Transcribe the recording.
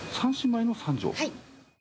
はい。